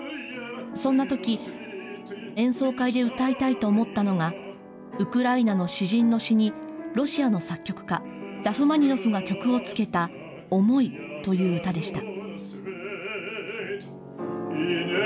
そんなとき、演奏会で歌いたいと思ったのが、ウクライナの詩人の詩に、ロシアの作曲家、ラフマニノフが曲をつけた、思いという歌でした。